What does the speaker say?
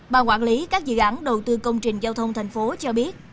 bà quản lý các dự án đầu tư công trình giao thông thành phố cho biết